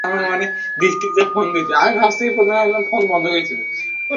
অধ্যক্ষের চাকরির মেয়াদ বাড়ানো হলে তাঁরা আন্দোলনে যাবেন বলে ঘোষণা দিয়েছেন।